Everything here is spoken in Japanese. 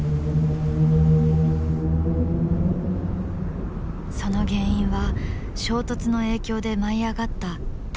その原因は衝突の影響で舞い上がった大量のチリ。